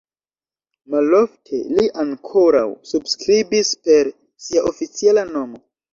Malofte li ankoraŭ subskribis per sia oficiala nomo.